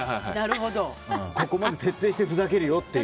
ここまで徹底してふざけるよっていう。